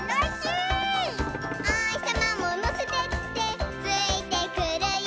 「おひさまものせてってついてくるよ」